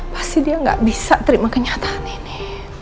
pasti dia nggak bisa terima kenyataan ini